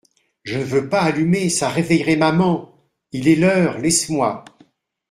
Je ne veux pas allumer, ça réveillerait maman … Il est l'heure, laisse-moi.